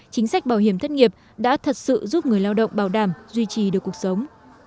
chính sách bảo hiểm thất nghiệp đã thật sự giúp người lao động bảo đảm duy trì được cuộc sống